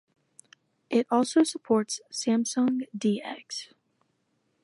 It also supports Samsung DeX.